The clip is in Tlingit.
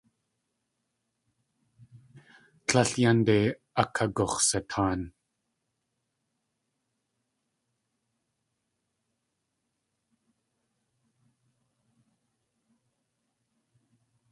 Tlél yánde akagux̲sataan.